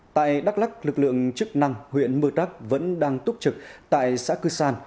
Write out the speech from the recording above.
tại đắk lắc lực lượng chức năng huyện mơ đắc vẫn đang túc trực tại xã cư sàn